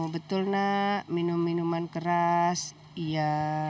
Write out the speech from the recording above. betul nak minum minuman keras iya